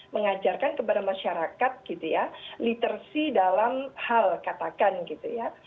mengajarkan kepada masyarakat gitu ya literacy dalam hal katakan gitu ya